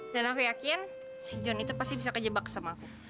dan aku yakin si john itu pasti bisa kejebak sama aku